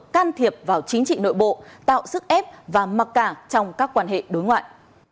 can thiệp vào chính trị nội bộ tạo sức ép và mặc cả trong các quan hệ đối ngoại